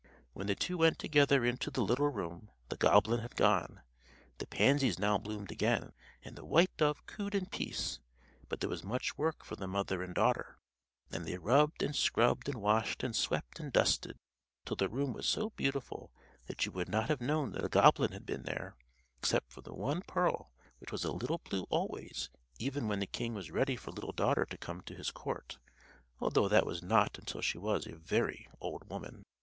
When the two went together into the little room, the goblin had gone. The pansies now bloomed again, and the white dove cooed in peace; but there was much work for the mother and daughter, and they rubbed and scrubbed and washed and swept and dusted, till the room was so beautiful that you would not have known that a goblin had been there except for the one pearl which was a little blue always, even when the king was ready for Little Daughter to come to his court, although that was not until she was a very old woman.